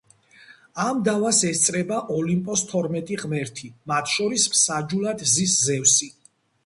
ამ დავას ესწრება ოლიმპოს თორმეტი ღმერთი, მათ შორის მსაჯულად ზის ზევსი.